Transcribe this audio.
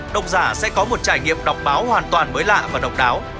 độc giả sẽ có một trải nghiệm đọc báo hoàn toàn mới lạ và độc đáo